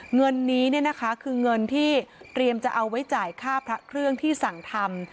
เงินนี้คือเงินที่เตรียมจะเอาไว้จ่ายค่าพระเครื่องที่สั่งทำ